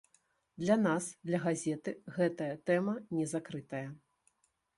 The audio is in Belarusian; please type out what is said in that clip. Для нас, для газеты гэтая тэма не закрытая.